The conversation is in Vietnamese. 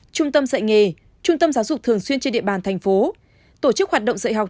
trung tâm dạy nghề trung tâm giáo dục thường xuyên trên địa bàn thành phố tổ chức hoạt động dạy học